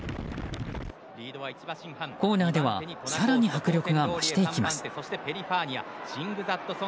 コーナーでは更に迫力が増していきます。